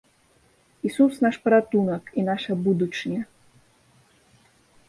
Ісус наш паратунак і наша будучыня!